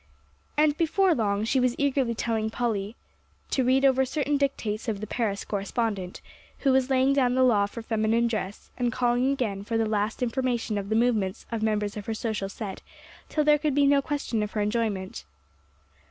And before long she was eagerly telling Polly to read over certain dictates of the Paris correspondent, who was laying down the law for feminine dress, and calling again for the last information of the movements of members of her social set, till there could be no question of her enjoyment.